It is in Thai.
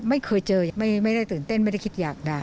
ไม่เคยเจอไม่ได้ตื่นเต้นไม่ได้คิดอยากได้